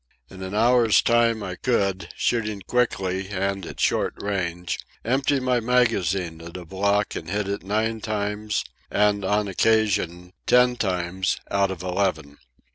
In an hour's time I could, shooting quickly and at short range, empty my magazine at a block and hit it nine times, and, on occasion, ten times, out of eleven.